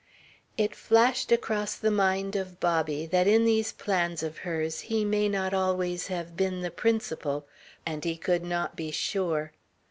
It flashed across the mind of Bobby that in these plans of hers he may not always have been the principal, and he could not be sure